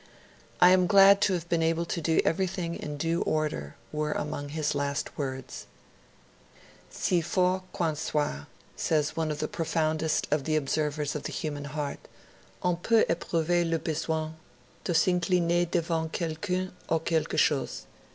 'I am glad to have been able to do everything in due order', were among his last words. 'Si fort qu'on soit,' says one of the profoundest of the observers of the human heart, 'on peut eprouver le besoin de s'incliner devant quelqu'un ou quelque chose.